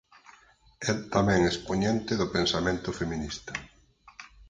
É tamén expoñente do pensamento feminista.